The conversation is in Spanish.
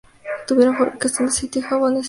Tuvieron fábricas de aceite y jabones en El Perchel.